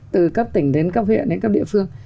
từ cấp tỉnh đến cấp huyện đến các địa phương